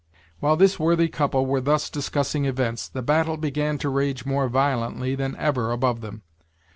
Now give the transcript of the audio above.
While this worthy couple were thus discussing events, the battle began to rage more violently than ever above them.